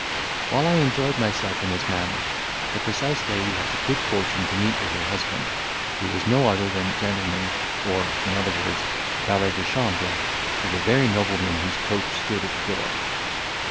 While I enjoyed myself in this manner, the precise lady had the good fortune to meet with her husband, who was no other than gentleman, or, in other words, valet de chambre, to the very nobleman whose coach stood at the door.